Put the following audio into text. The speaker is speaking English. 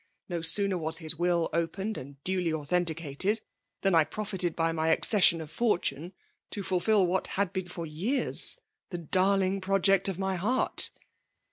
No sooner was his will opened and duly au thenticated, than I profited by my accesiion of fortune to iulfil what had been for years the darling project of my heart."